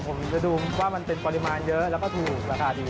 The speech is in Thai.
ผมจะดูว่ามันเป็นปริมาณเยอะแล้วก็ถูกราคาดี